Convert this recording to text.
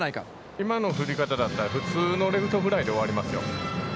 今の振り方だったら普通のレフトフライで終わりますよ。